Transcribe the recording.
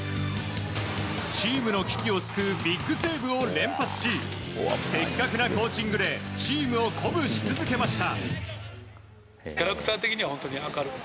チームの危機を救うビッグセーブを連発し的確なコーチングでチームを鼓舞し続けました。